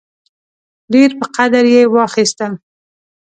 ډېر په قدر یې واخیستل.